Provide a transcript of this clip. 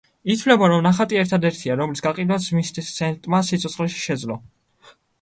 ითვლება, რომ ნახატი ერთადერთია, რომლის გაყიდვაც ვინსენტმა სიცოცხლეში შეძლო.